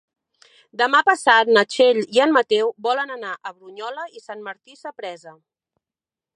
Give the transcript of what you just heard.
Demà passat na Txell i en Mateu volen anar a Brunyola i Sant Martí Sapresa.